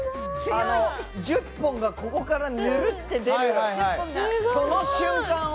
１０本がここからヌルって出るその瞬間を。